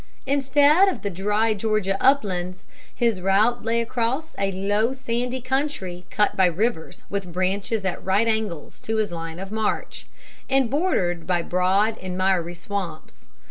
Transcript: Instead of the dry Georgia uplands, his route lay across a low sandy country cut by rivers with branches at right angles to his line of march, and bordered by broad and miry swamps.